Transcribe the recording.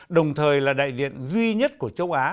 đồng thời là đại diện duy nhất của châu á